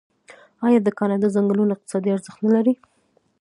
آیا د کاناډا ځنګلونه اقتصادي ارزښت نلري؟